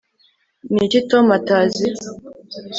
ni iki tom atazi